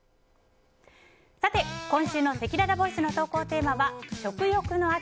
さて、今週のせきららボイスの投稿テーマは食欲の秋！